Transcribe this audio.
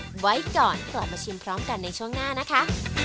ไว้ก่อนกลับมาชิมพร้อมกันในช่วงหน้านะคะ